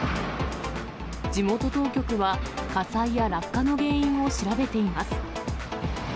地元当局は、火災や落下の原因を調べています。